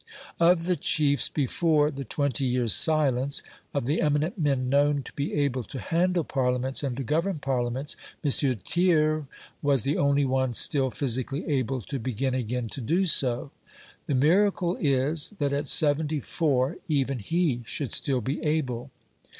Of the chiefs before the twenty years' silence, of the eminent men known to be able to handle Parliaments and to govern Parliaments, M. Thiers was the only one still physically able to begin again to do so. The miracle is, that at seventy four even he should still be able.